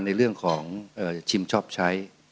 ในเรื่องของชิมชอบใช้